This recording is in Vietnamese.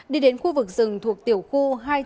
đi đến khu vực rừng thuộc tiểu khu hai trăm chín mươi